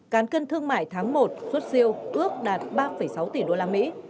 cán cân thương mại tháng một suốt siêu ước đạt ba sáu tỷ usd